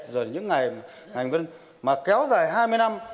rồi những ngày mà kéo dài hai mươi năm